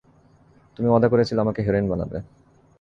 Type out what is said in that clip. তুমি ওয়াদা করেছিলে আমাকে হিরোইন বানাবে।